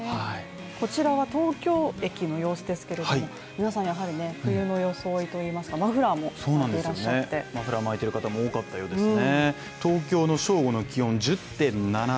こちらは東京駅の様子ですけれども、皆さんやはりね、冬の装いといいますかマフラーもそうなんですね。